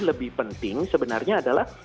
lebih penting sebenarnya adalah